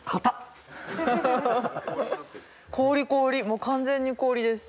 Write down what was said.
もう完全に氷です。